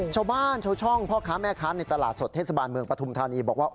ชาวบ้านชาวช่องพ่อค้าแม่ค้าในตลาดสดเทศบาลเมืองปฐุมธานีบอกว่า